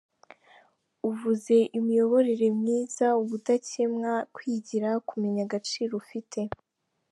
Uvuze imiyoborere myiza, ubudakemwa, kwigira, kumenya agaciro ufite.